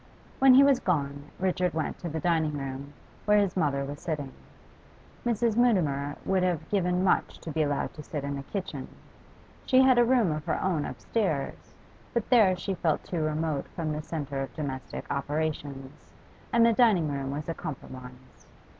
When he was gone, Richard went to the dining room, where his mother was sitting. Mrs. Mutimer would have given much to be allowed to sit in the kitchen; she had a room of her own upstairs, but there she felt too remote from the centre of domestic operations, and the dining room was a compromise.